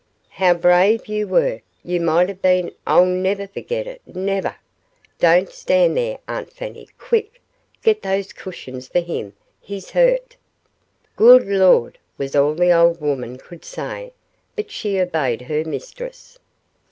"How brave you were! You might have been I'll never forget it never! Don't stand there, Aunt Fanny! Quick! Get those cushions for him. He's hurt." "Good Lawd!" was all the old woman could say, but she obeyed her mistress.